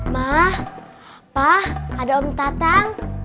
ma pa ada om tatang